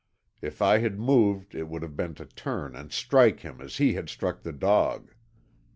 If I had moved it would have been to turn and strike him as he had struck the dog.